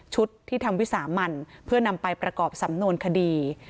ที่ทำวิสามันเพื่อนำไปประกอบสำนวนคดี